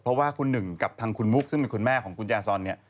เพราะว่าคุณหนึ่งกับทางคุณมุกซึ่งเป็นคุณแม่ของคุณแจซอนเนี่ย